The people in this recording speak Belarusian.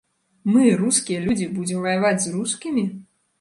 Мы, рускія людзі, будзем ваяваць з рускімі?